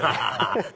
ハハハ！